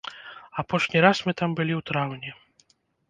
Апошні раз мы там былі ў траўні.